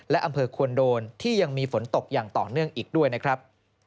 และอำเภอควรโดนที่ยังมีฝนตกอย่างต่อเนื่องอีกด้วยนะครับ